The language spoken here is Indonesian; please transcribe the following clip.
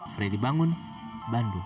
fredy bangun bandung